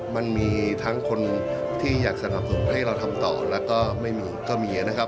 มันมีทั้งคนที่อยากสนับสนุนให้เราทำต่อแล้วก็ไม่มีก็มีนะครับ